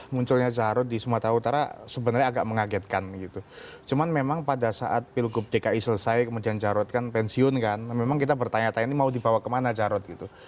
munculnya jarod di sumatera utara sebenarnya agak mengagetkan gitu cuman memang pada saat pilgub dki selesai kemudian jarod kan pensiun kan memang kita bertanya tanya ini mau dibawa kemana jarod gitu